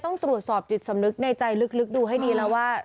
ต้องตรวจสอบจิตสำนึกในใจลึกดูให้ดีแล้วว่า